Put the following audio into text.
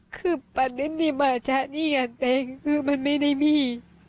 คือประเด็นที่มาใช้หนี้กันเองคือมันไม่ได้มี